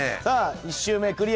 １周目クリア。